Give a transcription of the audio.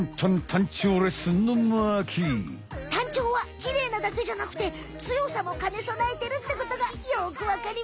タンチョウはきれいなだけじゃなくて強さもかねそなえてるってことがよくわかりました！